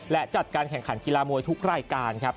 และจัดการแข่งขันกีฬามวยทุกรายการครับ